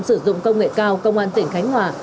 sử dụng công nghệ cao công an tỉnh khánh hòa